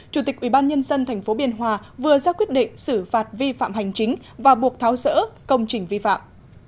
chủ tịch ubnd tp biên hòa vừa ra quyết định xử phạt vi phạm hành chính và buộc tháo rỡ công trình vi phạm